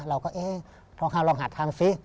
เราก็เอ๊ะท้องข้าวลองหาดทำสิ